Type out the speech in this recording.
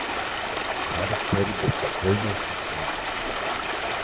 Рада впери безпокойно очи в него.